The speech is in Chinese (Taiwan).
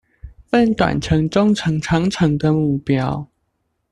分短程中程長程的目標